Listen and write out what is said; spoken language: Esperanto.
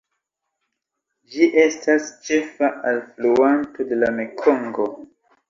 Ĝi estas ĉefa alfluanto de la Mekongo.